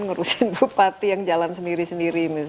ngurusin bupati yang jalan sendiri sendiri